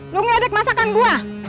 lu ngedik masakan gue